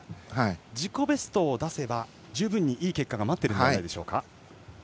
自己ベストを出せば十分にいい結果が待っているんじゃないでしょうか。